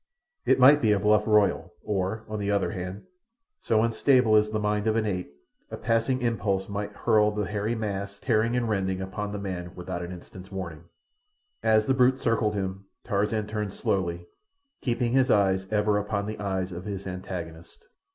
It might be a bluff royal, or, on the other hand, so unstable is the mind of an ape, a passing impulse might hurl the hairy mass, tearing and rending, upon the man without an instant's warning. As the brute circled him Tarzan turned slowly, keeping his eyes ever upon the eyes of his antagonist.